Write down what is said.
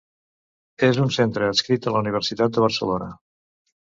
És un centre adscrit a la Universitat de Barcelona.